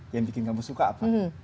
yang bikin kamu suka apa